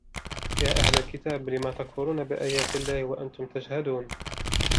يا أهل الكتاب لم تكفرون بآيات الله وأنتم تشهدون